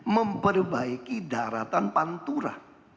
memperbaiki daratan pantura